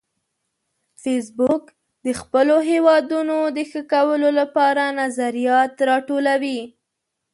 فېسبوک د خپلو هیوادونو د ښه کولو لپاره نظریات راټولوي